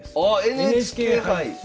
ＮＨＫ杯！